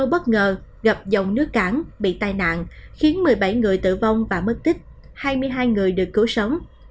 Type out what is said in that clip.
bất ngờ gặp dòng nước cảng bị tai nạn khiến một mươi bảy người tử vong và mất tích hai mươi hai người được cứu sống